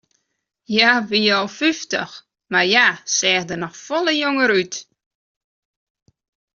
Hja wie al fyftich, mar hja seach der folle jonger út.